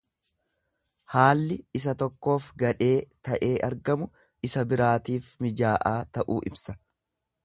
Haalli isa tokkoof gadhee ta'ee argamu isa biraatiif mijaa'aa ta'uu ibsa.